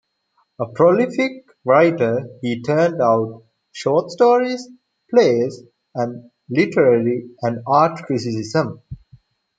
A prolific writer, he turned out short stories, plays, and literary, and art criticism.